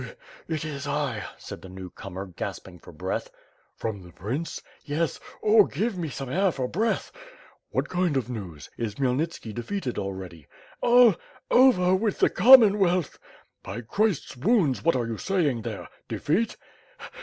"It is I ..." said the new comer, gasping for breath. "From the prince?" "Yes. ... Oh, give me some air for breath!" "What kind of news? Is Khmyelnitski defeated already?" "All. .. over. .. with the Commonwealth!" "By Christ^s wounds, what are you saying there? Defeat?"